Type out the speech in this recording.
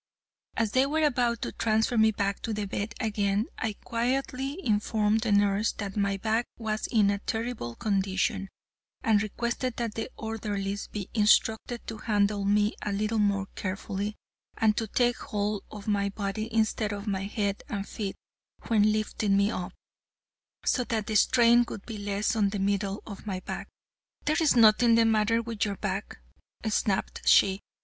As they were about to transfer me back to the bed again, I quietly informed the nurse that my back was in a terrible condition, and requested that the orderlies be instructed to handle me a little more carefully, and to take hold of my body instead of my head and feet when lifting me up, so that the strain would be less on the middle of my back. "There is nothing the matter with your back," snapped she.